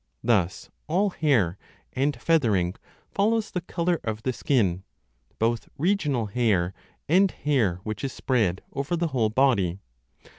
Thus all hair and feathering follows the colour of the skin, both regional hair 2 and hair which is spread 3 over the whole body.